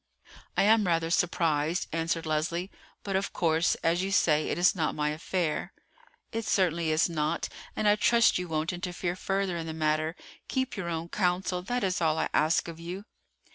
"I am rather surprised," answered Leslie; "but of course, as you say, it is not my affair." "It certainly is not, and I trust you won't interfere further in the matter. Keep your own counsel, that is all I ask of you."